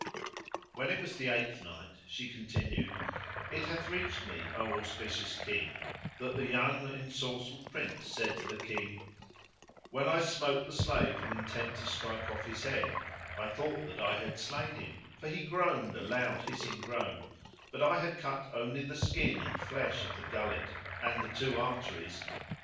When it was the Eighth Night, She continued, It hath reached me, O auspicious King, that the young ensorcelled Prince said to the King, "When I smote the slave with intent to strike off his head, I thought that I had slain him; for he groaned a loud hissing groan, but I had cut only the skin and flesh of the gullet and the two arteries!